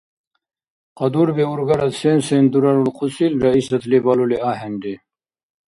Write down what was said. Кьадуби-ургарад сен-сен дурарулхъусил, Раисатли балули ахӀенри.